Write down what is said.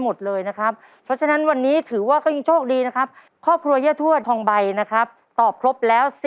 ไม่ได้ครับ